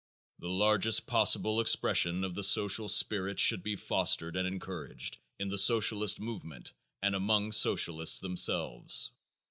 The largest possible expression of the social spirit should be fostered and encouraged in the Socialist movement and among Socialists themselves.